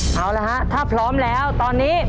กล่อข้าวหลามใส่กระบอกภายในเวลา๓นาที